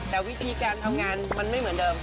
แต่วิธีการทำงานมันไม่เหมือนเดิม